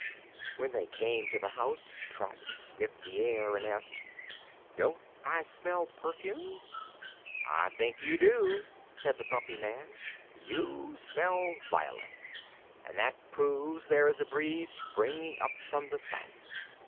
When they came to the house Trot sniffed the air and asked "Don't I smell perfume?" "I think you do," said the Bumpy Man. "You smell violets, and that proves there is a breeze springing up from the south.